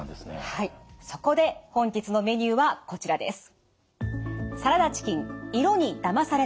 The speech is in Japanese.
そこで本日のメニューはこちらです。